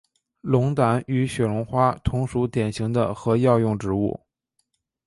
龙胆与雪绒花同属典型的和药用植物。